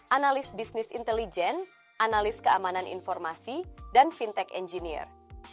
analis bisnis intelijen analis keamanan informasi dan fintech engineer